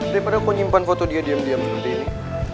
daripada kau nyimpan foto dia diam diam di sini